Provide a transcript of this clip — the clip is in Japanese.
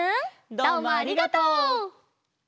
どうもありがとう！